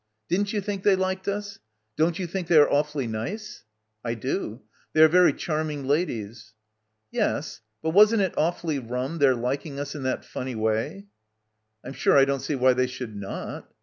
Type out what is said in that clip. Didn't you think they liked us? Don't you think they are awfully nice?" "I do. They are very charming ladies." "Yes, but wasn't it awfully rum their liking us in that funny way?" "Pm sure I don't see why they should not."